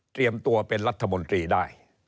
เตรียมตัวเป็นรัฐมนตรีได้